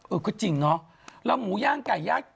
เออก็จริงเนาะแล้วหมูย่างไก่ย่าง